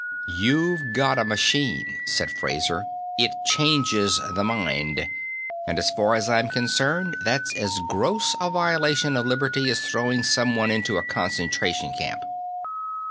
"You've got a machine," said Fraser; "it changes the mind. As far as I'm concerned, that's as gross a violation of liberty as throwing somebody into a concentration camp."